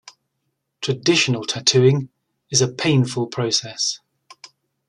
Traditional tattooing is a painful process.